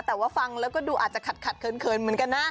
แต่ว่าฟังแล้วก็ดูอาจจะขัดเขินเหมือนกันนะ